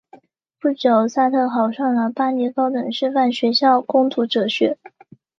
不久萨特考上了巴黎高等师范学校攻读哲学。